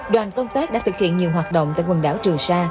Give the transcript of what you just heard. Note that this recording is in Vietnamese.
đoàn công tác đã thực hiện nhiều hoạt động tại quần đảo trường sa